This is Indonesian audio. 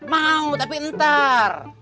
mau tapi entar